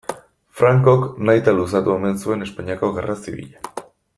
Francok nahita luzatu omen zuen Espainiako gerra zibila.